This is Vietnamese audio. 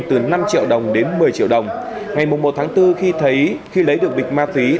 từ năm triệu đồng đến một mươi triệu đồng ngày một một tháng bốn khi lấy được bịch ma túy